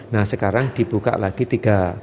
nah sekarang dibuka lagi tiga